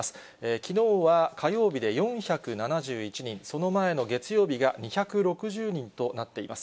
きのうは火曜日で４７１人、その前の月曜日が２６０人となっています。